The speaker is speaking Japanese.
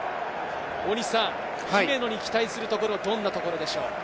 さらにはタタフ、姫野に期待するところ、どんなところでしょう？